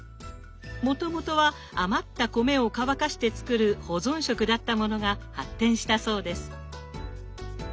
もともとは余った米を乾かして作る保存食だったものが発展したそうです。